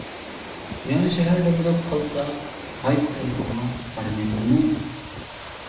يېڭىشەھەردە بولۇپ قالسا ھايت دەۋىتىڭلار، بارىمەن جۇمۇ.